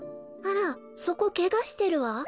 あらそこけがしてるわ。